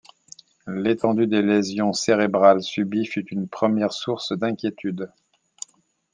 L'étendue des lésions cérébrales subies fut une première source d'inquiétude.